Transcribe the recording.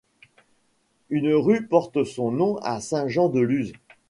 Une rue porte son nom à Saint-Jean-de-Luz.